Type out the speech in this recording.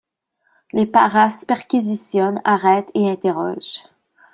Les paras perquisitionnent, arrêtent et interrogent.